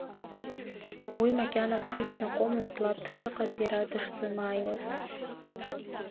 Уи макьана лхы иԥнаҟаӡомызт лаб дшыҟаз иара дышзымааиуаз.